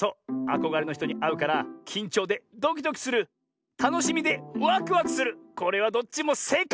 あこがれのひとにあうからきんちょうでドキドキするたのしみでワクワクするこれはどっちもせいかい！